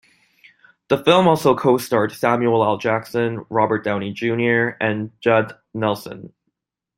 The film also co-starred Samuel L. Jackson, Robert Downey, Junior and Judd Nelson.